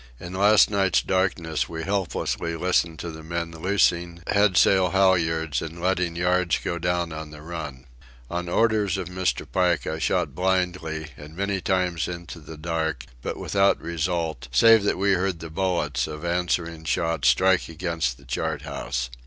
In last night's darkness we helplessly listened to the men loosing headsail halyards and letting yards go down on the run. Under orders of Mr. Pike I shot blindly and many times into the dark, but without result, save that we heard the bullets of answering shots strike against the chart house.